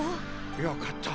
よかった。